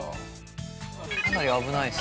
かなり危ないですね。